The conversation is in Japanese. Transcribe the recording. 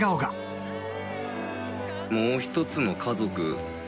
もう一つの家族。